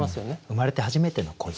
生まれて初めての恋。